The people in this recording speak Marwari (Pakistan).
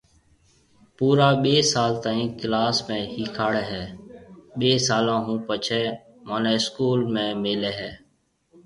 پورا ٻي سال تائين ڪلاس ۾ هِيکاڙي هيَ ٻي سالون هون پڇي مهونَي اسڪول ۾ ملي هيَ